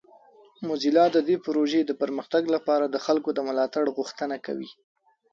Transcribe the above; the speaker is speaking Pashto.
موزیلا د دې پروژې د پرمختګ لپاره د خلکو د ملاتړ غوښتنه کوي.